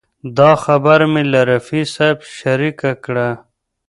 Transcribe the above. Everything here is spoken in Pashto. دا خبره مې له رفیع صاحب شریکه کړه.